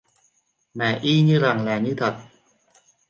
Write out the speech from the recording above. Mà y như rằng là như thật